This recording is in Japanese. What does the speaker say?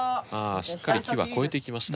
しっかり木は越えていきました。